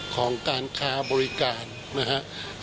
ของการค้าบริการนะครับ